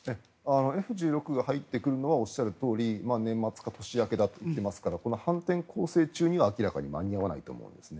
Ｆ１６が入ってくるのはおっしゃるとおり年末か年明けだといっていますからこの反転攻勢中には明らかに間に合わないと思います。